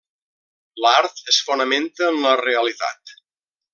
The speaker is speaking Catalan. L'art es fonamenta en la realitat.